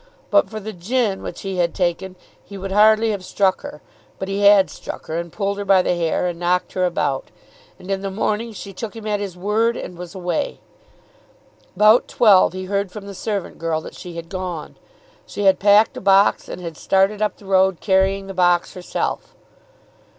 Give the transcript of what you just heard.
But for the gin which he had taken he would hardly have struck her; but he had struck her, and pulled her by the hair, and knocked her about; and in the morning she took him at his word and was away. About twelve he heard from the servant girl that she had gone. She had packed a box and had started up the road carrying the box herself.